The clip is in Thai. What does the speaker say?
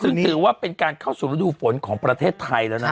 ซึ่งถือว่าเป็นการเข้าสู่ฤดูฝนของประเทศไทยแล้วนะ